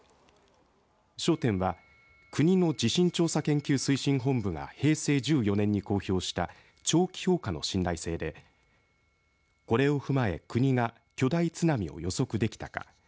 焦点は国の地震研究推進本部が平成１４年に公表した長期評価の信頼性でこれを踏まえ、国が巨大津波を予測できたか。